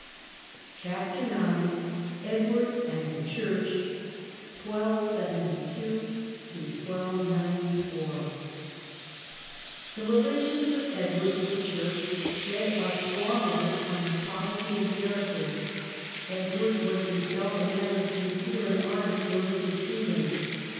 CHAPTER IX EDWARD AND THE CHURCH 1272 1294 The relations of Edward to the Church shed a strong light on his policy and character. Edward was himself a man of sincere and ardent religious feeling.